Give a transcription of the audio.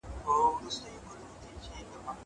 زه مخکي د کتابتوننۍ سره خبري کړي وو!